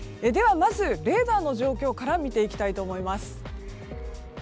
まずレーダーの状況から見ていきたいと思います。